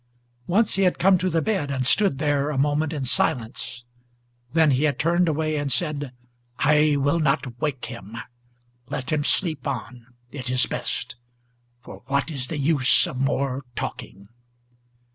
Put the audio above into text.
Once he had come to the bed, and stood there a moment in silence; Then he had turned away, and said: "I will not awake him; Let him sleep on, it is best; for what is the use of more talking!"